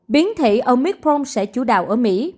biến thể omicron sẽ chủ đào ở mỹ